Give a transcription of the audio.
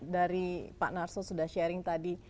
dari pak narso sudah sharing tadi